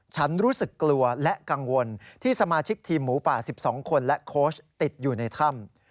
ฉันรู้สึกกลัวและกังวลที่สมาชิกทีมหมูป่า๑๒คนและโค้ชติดอยู่ในถ้ำ